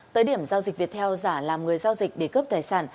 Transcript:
tới điểm giao dịch viettel giả làm người giao dịch để cướp tài sản